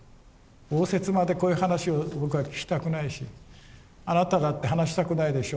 応接間でこういう話を僕は聞きたくないしあなただって話したくないでしょう。